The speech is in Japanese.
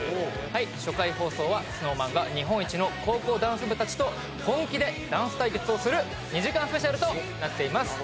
初回放送はＳｎｏｗＭａｎが日本一の高校ダンス部達と本気でダンス対決をする２時間スペシャルとなっています